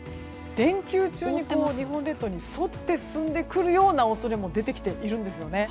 連休中に日本列島に沿って進んでくるような恐れも出てきているんですよね。